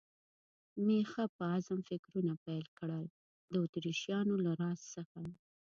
مې ښه په عزم فکرونه پیل کړل، د اتریشیانو له راز څخه.